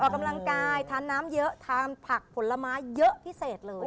ออกกำลังกายทานน้ำเยอะทานผักผลไม้เยอะพิเศษเลย